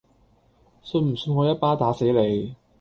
信唔信我一巴打死你